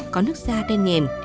có nước da đen nhèm